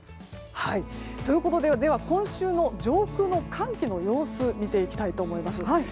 ということで今週の上空の寒気の様子を見ていきたいと思います。